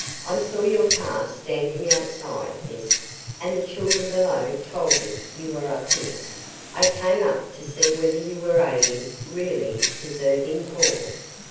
"I saw your car standing outside, Miss, and the children below told me you were up here. I came up to see whether you were aiding really DESERVING poor."